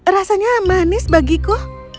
rasanya manis bagiku